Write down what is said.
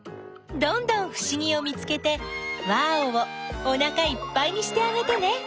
どんどんふしぎを見つけてワーオ！をおなかいっぱいにしてあげてね！